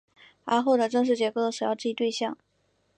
而后者正是解构的首要质疑对象。